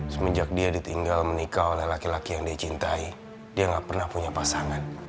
semenjak dia ditinggal menikah oleh laki laki yang dia cintai dia nggak pernah punya pasangan